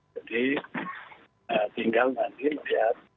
jadi tinggal nanti lihat